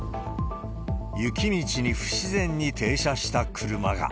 雪道に不自然に停車した車が。